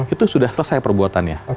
itu sudah selesai perbuatannya